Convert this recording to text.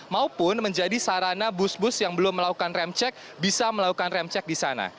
maupun menjadi sarana bus bus yang belum melakukan remcek bisa melakukan remcek di sana